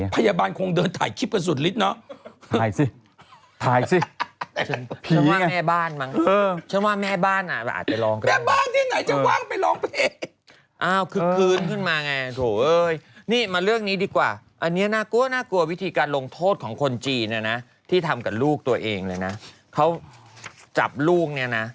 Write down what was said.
พยาบาลแล้วมันจูนกันกันมากมายนะครับอันนี้ก็เกินไป